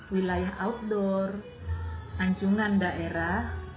wilayah outdoor anjungan daerah